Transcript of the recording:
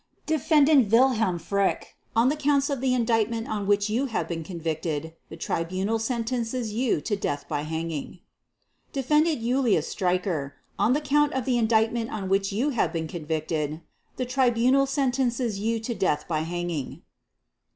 "Defendant Wilhelm Frick, on the Counts of the Indictment on which you have been convicted, the Tribunal sentences you to death by hanging. "Defendant Julius Streicher, on the Count of the Indictment on which you have been convicted, the Tribunal sentences you to death by hanging.